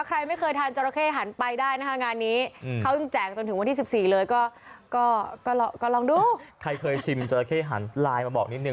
ใครไม่เคยทานจราเข้หันไปได้นะคะงานนี้